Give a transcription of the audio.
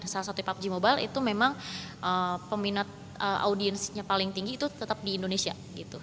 salah satu pubg mobile itu memang peminat audiensnya paling tinggi itu tetap di indonesia gitu